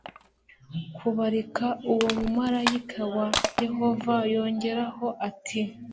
kubarika uwo mumarayika wa yehova yongeraho ati